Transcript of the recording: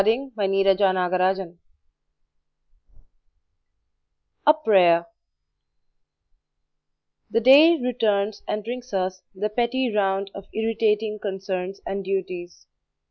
HANS CHRISTIAN ANDERSEN (Adapted) A PRAYER The day returns and brings us the petty round of irritating concerns and duties.